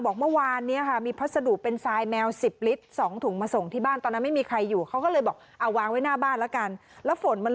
บอกเมื่อวานนี้ค่ะมีพัสดุเป็นซายแมว๑๐ลิตร